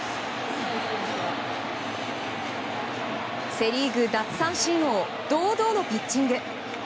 セ・リーグ奪三振王堂々のピッチング。